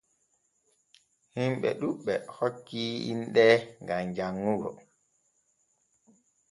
Himɓe ɗuɓɓe hokki inɗe gam janŋugo.